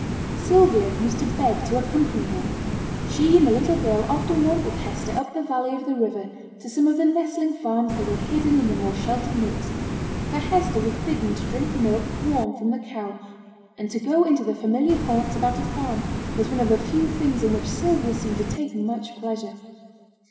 Sylvia used to beg to accompany her; she and the little girl often went with Hester up the valley of the river to some of the nestling farms that were hidden in the more sheltered nooks for Hester was bidden to drink milk warm from the cow; and to go into the familiar haunts about a farm was one of the few things in which Sylvia seemed to take much pleasure.